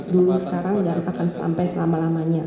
dulu sekarang dan akan sampai selama lamanya